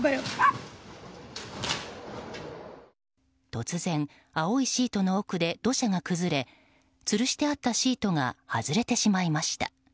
突然、青いシートの奥で土砂が崩れつるしてあったシートが外れてしまいました。